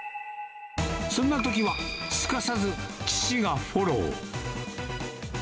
そんなときは、すかさず父がフォロー。